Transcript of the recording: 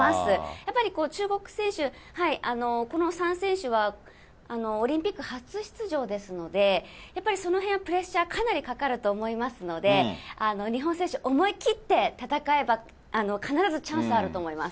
やっぱり中国選手、この３選手はオリンピック初出場ですので、やっぱりそのへんはプレッシャー、かなりかかると思いますので、日本選手、思い切って戦えば、必ずチャンスはあると思います。